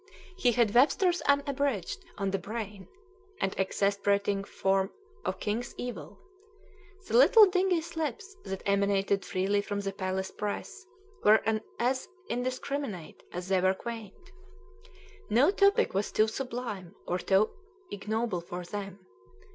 He had "Webster's Unabridged" on the brain, an exasperating form of king's evil. The little dingy slips that emanated freely from the palace press were as indiscriminate as they were quaint. No topic was too sublime or too ignoble for them.